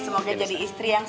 semoga jadi istri yang